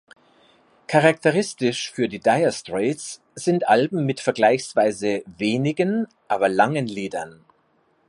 Charakteristisch für die Dire Straits sind Alben mit vergleichsweise wenigen, aber langen Liedern.